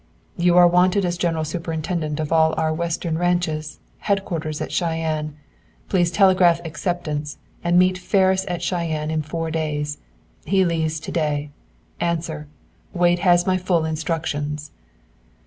"You are wanted as general superintendent of all of our Western ranches. Headquarters at Cheyenne. Please telegraph acceptance, and meet Ferris at Cheyenne in four days. He leaves to day. Answer. Wade has my full instructions."